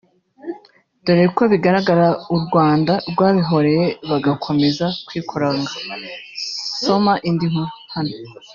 dore ko bigaragara u Rwanda rwabihoreye bagakomeza kwikoronga (soma indi nkuru hano)